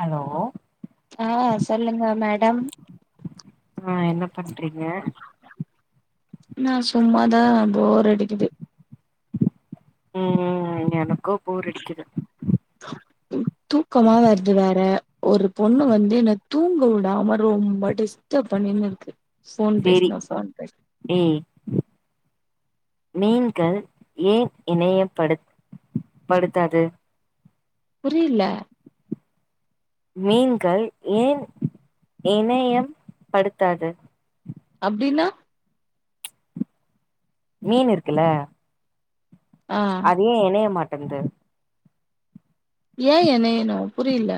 Hello ஆ சொல்லுங்க madam ஆ என்ன பண்றீங்க நா சும்மாதா ஆ போர் அடிக்குது உம் ம் எனக்கு போரடிக்குது ம் தூக்கமா வருது வேற ஒரு பொண்ணு வந்து என்ன தூங்க உடாம ரொம்ப டிஸ்டப் பண்ணினு இருக்கு ஃபோன் சேரி பேசணு ஃபோன் பேசணு ஏய் மீன்கள் ஏன் இணையப்படு படுத்தாது புரிய்ல மீன்கள் ஏன் இணையம் படுத்தாது அப்டீன்னா மீன் இருக்குல்ல ஆ அது ஏ இணைய மாட் எந்து ஏ எனயுனு புரியல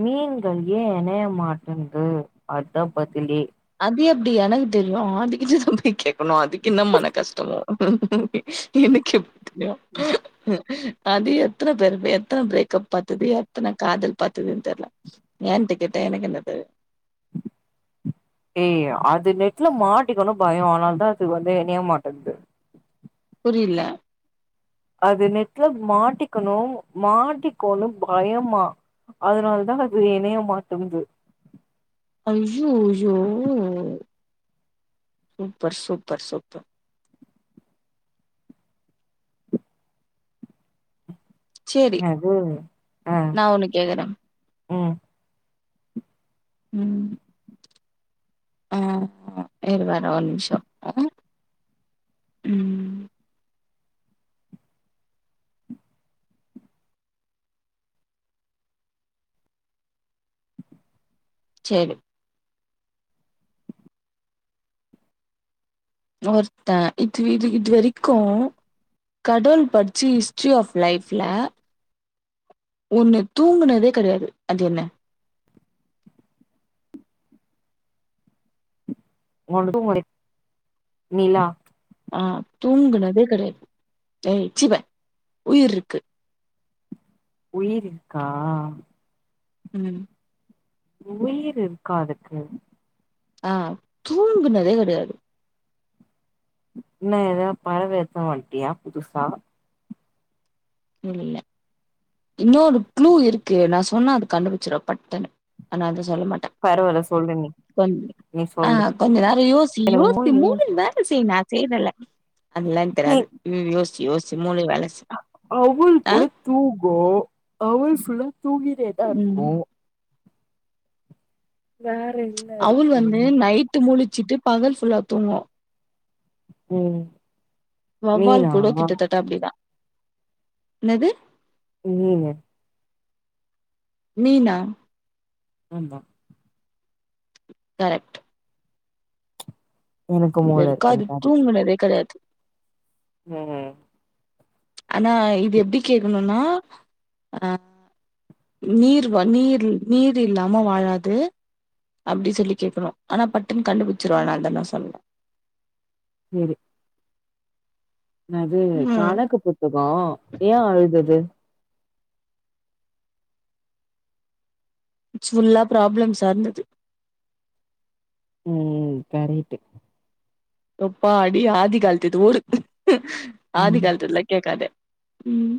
மீன்கள் ஏன் இணைய மாட்டேன்து அத பதிலே அது எப்டி எனக்கு தெரியு அதுக்கிட்ட தா போய் அதுக்கென்ன மன கஷ்டமோ எனக்கு எப் தெரியு அது எத்தன பேருட எத்தன பிரேக்கப் பாத்தது எத்தன காதல் பாத்ததுனு தெரியல ஏன்ட்ட கேட்ட எனக்கு என்ன தெரியு ஏய் அது நெட்ல மாட்டிக்கணும் பயம் ஆதனால தா அதுக்கு வந்து இணைய மாட்டேனது புரியல அது நெட்ல மாட்டிக்கனு மாட்டிக்கோனு பயமா அதனால தா அது எணைய மாட்டுன்து ஐய்யய்யோ சூப்பர் சூப்பர் சூப்பர் சேரி அது ஆ நா ஒன்னு கேக்குறே. ம் ம் ஆ இரு வரே ஒரு நிமிஷோ ம் சேரி ஒருத்த இது இது இது வரைக்கோ கடவுள் படிச்சு ஹிஸ்டரி ஆஃப் லைஃப்ல ஒன்னு தூங்குனதே கெடையாது அது என்ன? [inaudible] நிலா ஆ தூங்குனதே கெடையாது ஏ சி பே உயிர்ருக்கு. உயிர் இருக்கா? ம் உயிர் இருக்கா அதுக்கு? ஆ தூங்குனதேக்கிடையாது. என்ன ஏத பறவேத்தமாட்டியா புதுசா இல்ல இன்னோரு க்ளு இருக்கு நா சொன்ன அது கண்டுபிருச்ருவ பட்டுனு ஆனா அது சொல்ல மாட்டே பரவால்ல சொல்லு நீ கொஞ்ச நீ ஆ சொல்லு கொஞ்ச நேர யோசி எனக்கு யோசி மூள மூணு நர செய் ந தேவயில்ல அதுலா எனக்கு தெரியாது ம் யோசி யோசி மூளை வேல செய் ஆ அவள்க்குட தூங்கு அவுள் ஃபுல்லா ம் தூங்கிட்டேதாருக்கு. வே அவ்வுல் வந்து நைட்டு மூழி சிட்டு பகல் ஃபுல்லா தூங்கோ. ஓ வவ்வால் கூட கிட்டத்தட்ட அப்பிடிதா. இன்னது? இல்லிங்க மீனா? ஆந்தா கரெக்ட். எனக்கு மூள இதுவரைகு இருக்குன்னு அது காட்டிட்ட தூங்குனதே கெடையாது. ம் அனா இது எப்பிடி கேக்ணுன்னா ஆ நீர் வ நீர் நீர் இல்லாம வாழாது அப்பிடி சொல்லி கேக்கணோ ஆனா பட்டுன்னு கண்டுபிடிச்சிருவ நா அதா நா சொல்லறே சேரி இன்னாது ம் கணக்கு புத்தகோ ஏ அழுதுது? ட்ஸ்புல்லா ப்ராப்ளம்ஸா இருந்தது ம் கரெட்டு யொப்பாடி ஆத்தி கலத்துது ஓடு. ஆதி ம். கலத்துலா கேக்காத ம்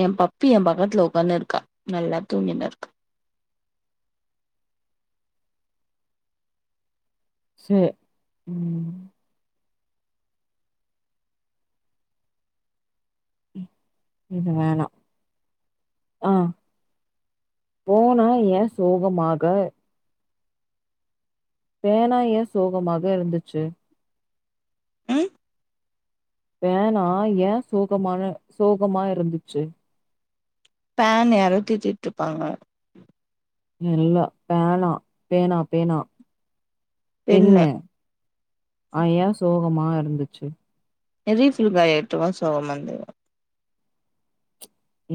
ஏ பப்பி ஏ பக்கத்துல உக்காந்துருக்கா நல்லா தூங்கினு இருக்கு சே ம் இது வேணாம் ஆ போனா ஏ சோகமாக பேனாயே சோகமாக இருந்துச்சி ம் பேனா ஏ சோகமான சோகமா இருந்துச்சி பேன் யாரோ திட்டிட்டுருப்பாங்க இல்ல பேனா பேனா பேனா பெண்ணு பென்னு யா சோகமா இ இருந்துச்சி ய ரிஃபில் காய எட்டுவ சோக மந்தவோ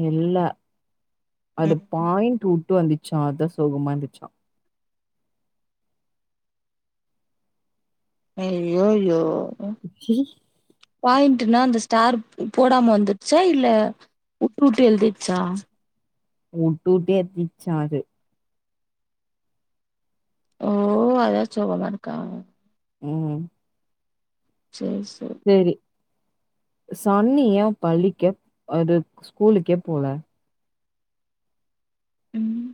இல்ல அது ம் பாய்ண்ட்வு உட்டு வந்துச்சா அதா சோகமா இருந்துச்சா அயோயோ [unintelligible] பாயிண்டுன்னா அந்த ஸ்டார் போடாம வந்துடுச்சா இல்ல உட்டு உட்டு எலுதிட்ச்சா உட்டு உட்டு எலுதிட்டுச்சா அது ஓ அதா சோகமா இருக்கா ம் சேரி சேரி சான்னி யா பலிக்க அது ஸ்கூலுக்கே போல ம்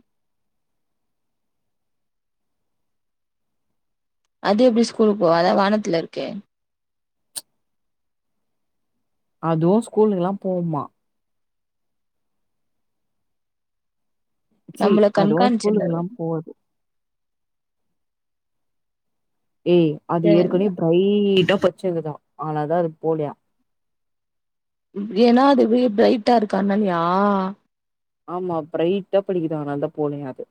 அது எப்டி ஸ்கூலுக்கு போவா அதா வானத்துல இருக்கே அதுவு ஸ்கூலுக்குல்லா போவுமா சி நம்மள அதுவு கண்காணிச்சிருந்தது ஸ்கூலுக்குல்லா போது ஏய் அது தெர்ல ஏற்கனவே பிரைடாப் பச்சங்கதா அதுனாலதா அது போலியா ஏன்னா அதுவே பிரைட்டா இருக்கா அதுனால்யா ஆமா பிரைட்டா படிக்குதா அதனாலதா போலியா அது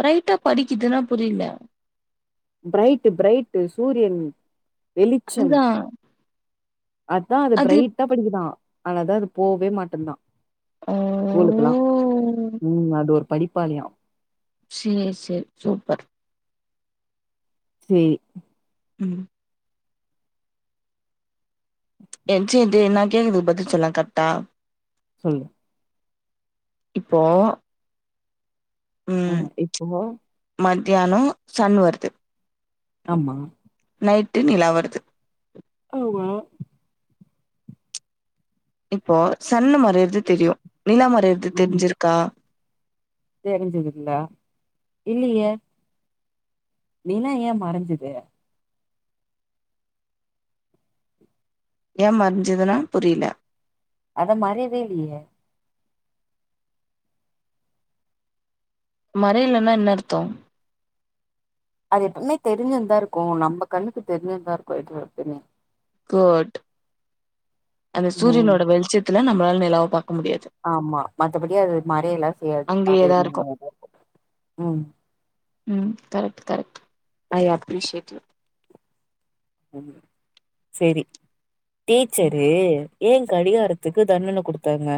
ப்ரைட்டா படிக்குதுன்னா புரில ப்ரைட்டு ப்ரைட்டு சூரியன் வெளிச்சம் அதுதா அதா அது ப்ரைட்டா படிக்குதா அதுனாலதா அது போவே மாட்டந்தா ஓ கூலுக்குல்லா ம் அது ஒரு படிப் ப்பாளியா சேரி சேரி சூப்பர் சேரி ம் என் சயிந்தி நா கேக்கற்துக்கு பதில் சொல்லா கரக்ட்டா சொல்லு இப்போ ம் இப்போ தியானோ சண் வருது ஆம்மா டு நிலா வருது ஆமா இப்போ சன்னு மறையர்து தெரியு நிலா மறையர்து ஆமா தெரிஞ்சிருக்கா தெரிஞ்சதுல்ல இல்லியே நிலா ஏ மறஞ்சிது? ஏ மறஞ்சிதுனா புரில அத மறையவே இல்லயே மறையலனா என்ன அர்த்தொ அது எப்பவ்மே தெருஞ்சுந்தா இருக்கு நம்ம கண்ணுக்கு தெருஞ்சுந்தா இருக்கு எப்ப எப்பமே குட் அது ம் சூரியனோட வெளிச்சத்துல நம் வால் நிலாவ பாக் ஆமா மத்தபடி அது மறையலா செய்யாது அப்பயே அங்கயேதா இருக்கு [unintelligible] ம் ம் correct correct I appreciate you ம் சேரி ம் டீச்சரு ஏ கடிகாரத்துக்கு தண்டன குடுத்தாங்க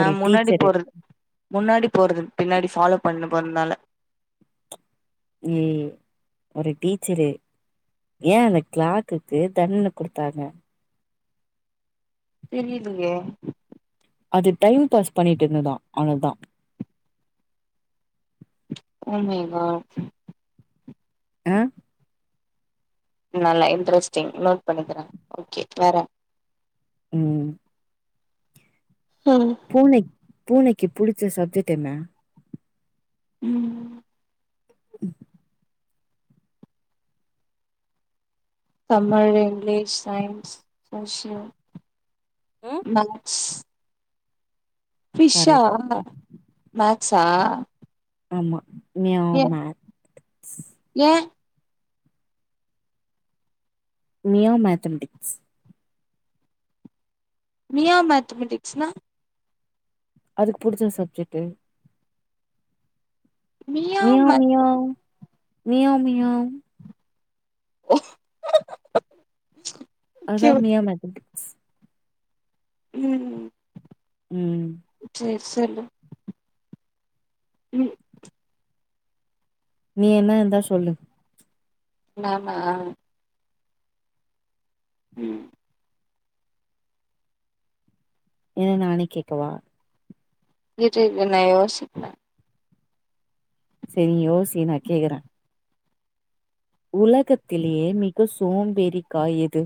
ஆ ஒரு முன்னாடி டீச்சரு போறது முன்னாடி போறது பின்னாடி ஃபாலோ பண்ணு பண்ணல ம் ஒரு டீச்சரு ஏ அந்த கிளாக்குக்கு தண்டன குடுத்தாங்க தெரியலியே அது டைம் பாஸ் பண்ணிட்டிருந்ததா ஆனாதா ஓ மை காட் அ நல்லா இன்ட்ரெஸ்டிங் நோட் பண்ணிக்குறே ஓகே வேற ம் ம் பூனைக் பூனக்கி புடுச்ச சப்ஜெக்ட் என்ன? ம் [inaudible] தமிழ், இங்கிலீஷ், சயின்ஸ், சோசியல், ம் மேக்ஸ் ஃபிஷ்ஷா கரெக்ட் மே சா ஆமா மியாவ் மேத்ஸ் ஏ மியாவ் மேத்தமட்டிக்ஸ் மியாவ் மேத்தமெட்டிக்ஸ்னா? அதுக்கு புடுச்ச சப்ஜெக்ட்டு மியா meow math meow meow meow okay அதுதா மியா மேத்தமடிக்ஸ் ம் ம் செல்லு ம் நீ எதுனா இருந்தா சொல்லு நானா ம் இல்ல நானே கேக்கவா இரு இரு நா யோசிக்றே சரி நீ யோசி நா கேக்கறே உலகத்திலேயே மிக சோம்பேறிக்காய் எது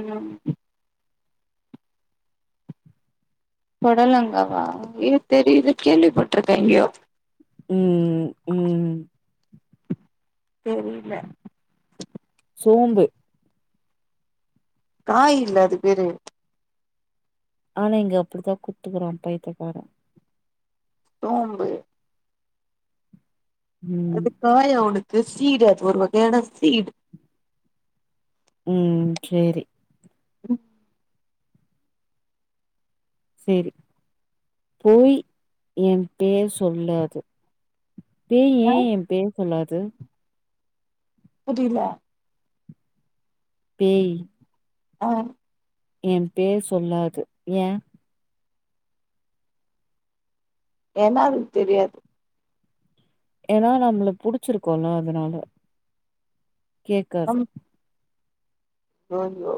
ம் பொடலங்காவா ஏ தெரிது கேள்விப்பட்ருக்க எங்யோ ம் ம் தெரில சோம்பு காய் இல்ல அது பேரு ஆனா இங்க அப்படித்தா குத்துக்குறா பைய்தியக்கார தோம்பு ம் அது காயா உனக் அது சீட் அது ஒரு வகையான சீட் ம் சேரி ம் சேரி போய் எ பேர் சொல்லாது தேய் ஏ ஆ ஏ பேர் சொல்லாது புரில பேய் அ எ பேர் சொல்லாது ஏ ஏன்னா அதுக்கு தெரியாது ஏன்னா நம்மள புடிச்சிருக்குல்ல அதனால கேக்காது யோ யோ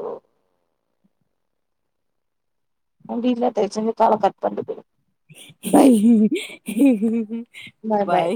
முடில தயவுசெஞ்சு கால கட் பண்டு போய்டு [unintelligible] [unintelligible] பாய் பாய்